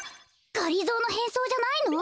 がりぞーのへんそうじゃないの？